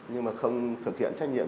nhưng mà không thực hiện trách nhiệm